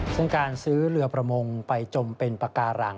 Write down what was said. ซึ่งการซื้อเรือประมงไปจมเป็นปากการัง